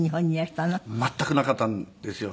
全くなかったですよ。